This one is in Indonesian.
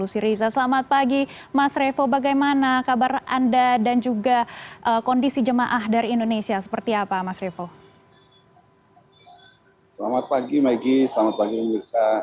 selamat pagi maggie selamat pagi mirsa